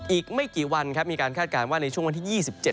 อีกไม่กี่วันครับมีการคาดการณ์ว่าในช่วงวันที่๒๗